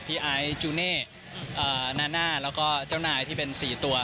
พี่ไอจูเน่นาแล้วก็เจ้านายที่เป็น๔ตัว